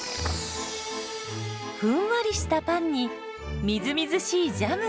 ふんわりしたパンにみずみずしいジャム。